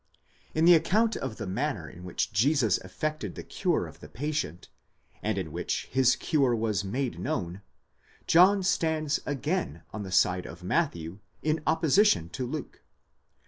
In the account of the manner in which Jesus effected the cure of the patient, and in which his cure was made known, John stands again on the side of Matthew in opposition to Luke.